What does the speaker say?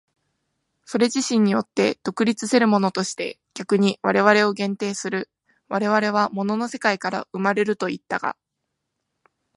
それ自身によって独立せるものとして逆に我々を限定する、我々は物の世界から生まれるといったが、